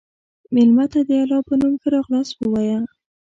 مېلمه ته د الله په نوم ښه راغلاست ووایه.